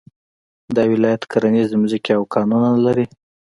دا ولايت کرنيزې ځمکې او کانونه لري